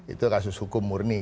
itu kasus hukum murni